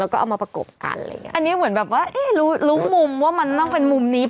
แล้วก็เอามาประกบกันอะไรอย่างนี้